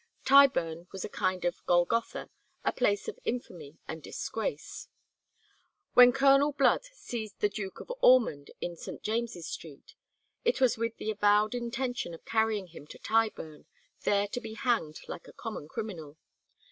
Tyburn was a kind of Golgotha, a place of infamy and disgrace. When Colonel Blood seized the Duke of Ormond in St. James's Street it was with the avowed intention of carrying him to Tyburn, there to be hanged like a common criminal.